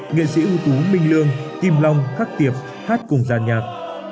nghệ sĩ ưu tú minh lương kim long khắc tiệp hát cùng giàn nhạc